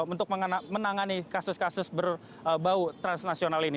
untuk menangani kasus kasus berbau transnasional ini